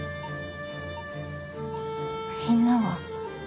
みんなは？